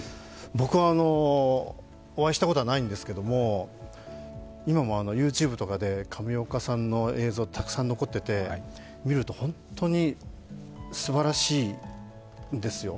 僕はお会いしたことはないんですけども今もＹｏｕＴｕｂｅとかで上岡さんの映像はたくさん残っていて見ると、本当にすばらしいんですよ。